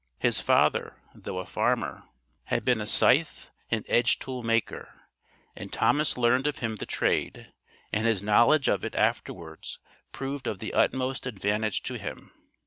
His father, though a farmer, had been a scythe and edge tool maker, and Thomas learned of him the trade, and his knowledge of it afterwards proved of the utmost advantage to him.